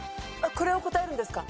これを答えるんですか？